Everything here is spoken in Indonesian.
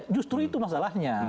justru itu masalahnya